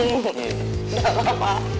udah ma pa